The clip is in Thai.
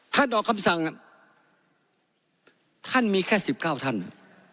ท่านออกคำสั่งอ่ะท่านมีแค่สิบเก้าท่านอ่ะ